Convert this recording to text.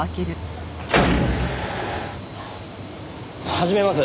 始めます。